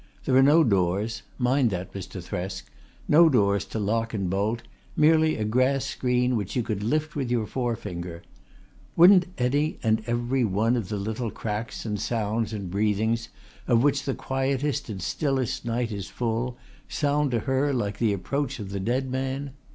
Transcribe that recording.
There are no doors mind that, Mr. Thresk no doors to lock and bolt, merely a grass screen which you could lift with your forefinger. Wouldn't any and every one of the little cracks and sounds and breathings, of which the quietest and stillest night is full, sound to her like the approach of the dead man?